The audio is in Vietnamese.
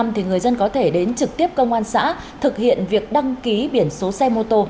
thì người dân có thể đến trực tiếp công an xã thực hiện việc đăng ký biển số xe mô tô